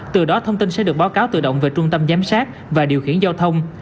từ đó thông tin sẽ được báo cáo tự động về trung tâm giám sát và điều khiển giao thông